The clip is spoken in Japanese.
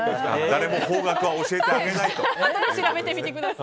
誰も方角は教えてあげないと。